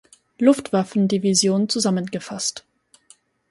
Luftwaffendivision zusammengefasst.